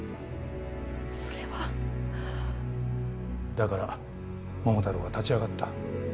だから桃太郎は立ち上がった。